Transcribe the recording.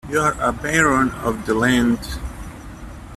You're a baron of the land.